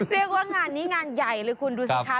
เรียกว่างานนี้งานใหญ่เลยคุณดูสิคะ